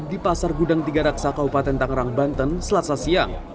di pasar gudang tiga raksa kabupaten tangerang banten selasa siang